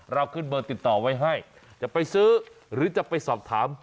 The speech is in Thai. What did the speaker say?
เราขึ้นเบอร์ติดต่อไว้ให้จะไปซื้อหรือจะไปสอบถาม